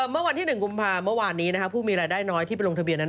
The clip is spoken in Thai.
เมื่อวันที่๑กุมภาเมื่อวานนี้ผู้มีรายได้น้อยที่ไปลงทะเบียนนั้น